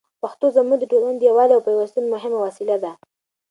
پښتو زموږ د ټولني د یووالي او پېوستون مهمه وسیله ده.